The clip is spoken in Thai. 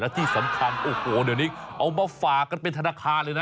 ที่สำคัญโอ้โหเดี๋ยวนี้เอามาฝากกันเป็นธนาคารเลยนะ